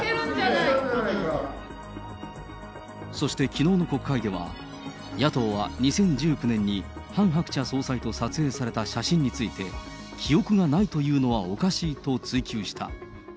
そしてきのうの国会では、野党は２０１９年に、ハン・ハクチャ総裁と撮影された写真について、記憶がないというのはおかしいと追及した。